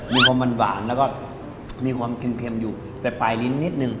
มีความมันหวานแล้วก็มีความเค็มอยู่แต่ปลายลิ้นนิดนึง